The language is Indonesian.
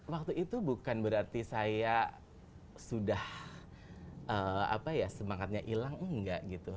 waktu itu bukan berarti saya sudah semangatnya hilang enggak gitu